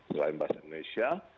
selain bahasa indonesia